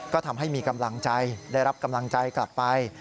ก็ทำให้มีกำลังใจได้รับกำลังใจกลับไป